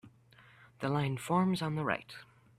The line forms on the right.